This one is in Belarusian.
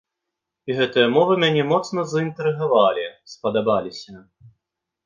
І гэтыя мовы мяне моцна заінтрыгавалі, спадабаліся.